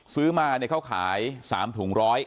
ซื้อมาเขาขาย๓ถุง๑๐๐